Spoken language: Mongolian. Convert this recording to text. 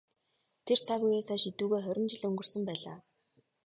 Тэр цаг үеэс хойш эдүгээ хорин жил өнгөрсөн байлаа.